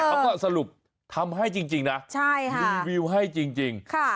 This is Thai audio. เอ่อแต่เขาก็สรุปทำให้จริงจริงนะใช่ค่ะรีวิวให้จริงจริงค่ะ